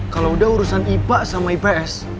kalau udah urusan ipa sama ips